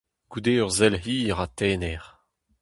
Goude ur sell hir ha tener.